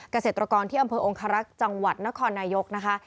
เกษตรกรที่อำเภอองคารักษ์จังหวัดนครนายกนะคะ